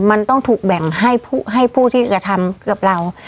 มันต้องถูกแบ่งให้ผู้ที่กระทำกับเรา